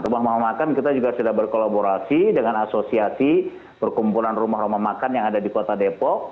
rumah rumah makan kita juga sudah berkolaborasi dengan asosiasi perkumpulan rumah rumah makan yang ada di kota depok